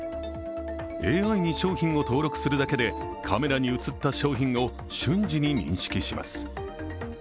ＡＩに商品を登録するだけでカメラに写った商品を瞬時に認識します。